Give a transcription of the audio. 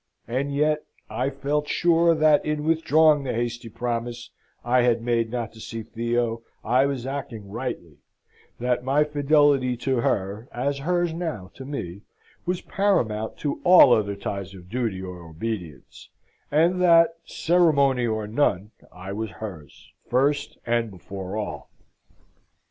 And yet I felt sure that in withdrawing the hasty promise I had made not to see Theo, I was acting rightly that my fidelity to her, as hers now to me, was paramount to all other ties of duty or obedience, and that, ceremony or none, I was hers, first and before all.